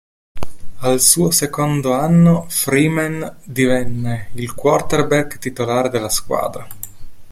Al suo secondo anno, Freeman divenne il quarterback titolare della squadra.